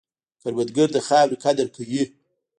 کروندګر د خاورې قدر کوي